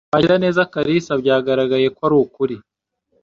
Kwakira neza Kalisa byagaragaye ko ari ukuri.